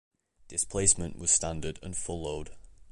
Displacement was standard and full load.